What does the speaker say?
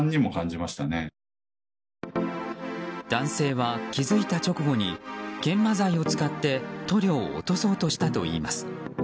男性は、気づいた直後に研磨剤を使って塗料を落とそうとしたといいます。